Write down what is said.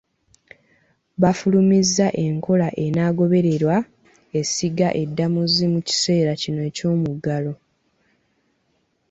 Bafulumizza enkola enaagobererwa essiga eddamuzi mu kiseera kino eky'omuggalo.